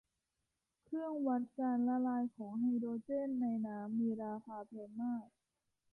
เครื่องวัดการละลายของไฮโดรเจนในน้ำ มีราคาแพงมาก